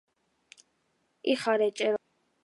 იხარე, ჭერო, იმრავლე, ერო!